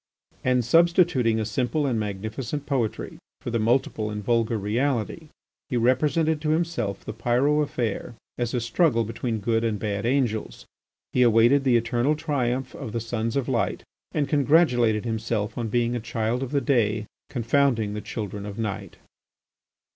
And substituting a simple and magnificent poetry for the multiple and vulgar reality, he represented to himself the Pyrot affair as a struggle between good and bad angels. He awaited the eternal triumph of the Sons of Light and congratulated himself on being a Child of the Day confounding the Children of Night.